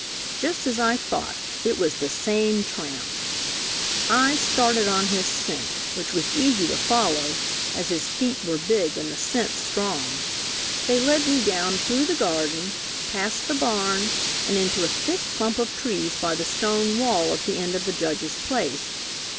Just as I thought, it was the same tramp! I started on his scent, which was easy to follow, as his feet were big and the scent strong. They led me down through the garden, past the barn and into a thick clump of trees by the stone wall at the end of the Judge's place.